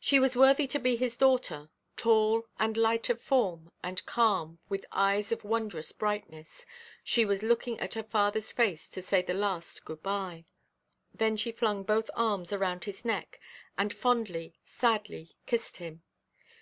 She was worthy to be his daughter; tall, and light of form, and calm, with eyes of wondrous brightness, she was looking at her fatherʼs face to say the last good–bye. Then she flung both arms around his neck, and fondly, sadly, kissed him.